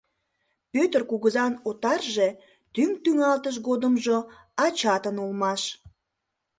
Пӧтыр кугызан отарже тӱҥ-тӱҥалтыш годымжо ачатын улмаш.